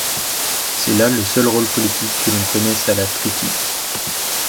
C'est là le seul rôle politique que l'on connaisse à la trittye.